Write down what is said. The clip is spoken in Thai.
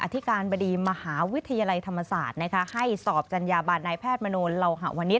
ธิการบดีมหาวิทยาลัยธรรมศาสตร์ให้สอบจัญญาบันนายแพทย์มโนเหล่าหะวันนี้